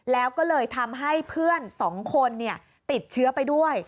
แล้วก็เลยทำให้เพื่อน๒คนติดเชื้อไปด้วย